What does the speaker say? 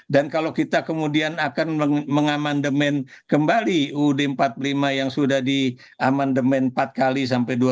dan kalau kita kemudian akan mengamandemen kembali ud empat puluh lima yang sudah di amandemen empat kali sampai dua ribu dua itu ya